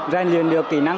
rang luyện được kỹ năng